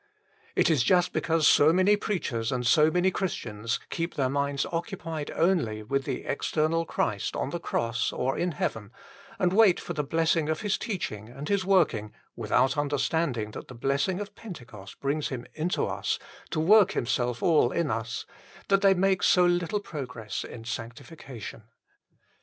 It is just because so many preachers and so many Christians keep their minds occupied only with the external Christ on the Cross or in heaven, and wait for the blessing of His teaching and His working without understanding that the blessing of Pentecost brings Him into us, to work Himself all in us, that they make so little progress in sanctification.